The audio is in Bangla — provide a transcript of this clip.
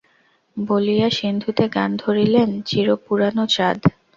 – বলিয়া সিন্ধুতে গান ধরিলেন– চির-পুরানো চাঁদ!